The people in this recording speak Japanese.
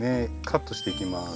カットしていきます。